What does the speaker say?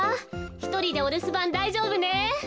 ひとりでおるすばんだいじょうぶね？